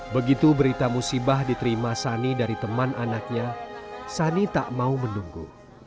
begitu berita musibah diterima sani dari teman anaknya sani tak mau menunggu